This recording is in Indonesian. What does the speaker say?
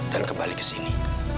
dan kembali kesini